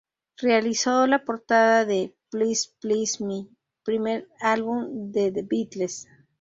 Realizó la portada de Please Please Me, primer álbum de The Beatles.